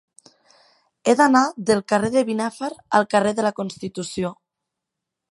He d'anar del carrer de Binèfar al carrer de la Constitució.